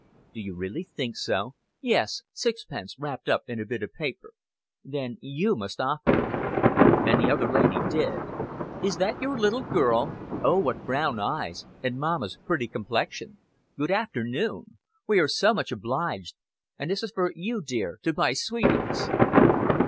"Do you really think so?" "Yes, sixpence wrapped up in a bit of paper." "Then you must offer it." And the other lady did. "Is that your little girl? Oh, what brown eyes and mamma's pretty complexion. Good afternoon! We are so much obliged. And this is for you, dear to buy sweeties."